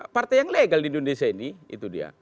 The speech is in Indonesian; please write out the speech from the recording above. partai yang legal di indonesia ini itu dia